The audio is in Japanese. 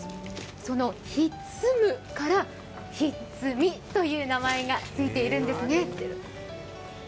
その「ひっつむ」から「ひっつみ」という名前が付いているんです。